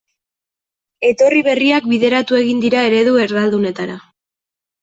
Etorri berriak bideratu egin dira eredu erdaldunetara.